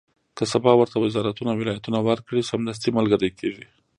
که سبا ورته وزارتونه او ولایتونه ورکړي، سمدستي ملګري کېږي.